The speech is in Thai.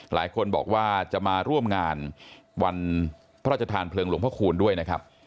หลายคนบอกว่าจะมาร่วมงานวันพระราชทานเพลิงหลวงพระคูณด้วยนะครับ